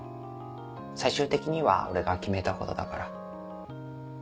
最終的には俺が決めたことだから。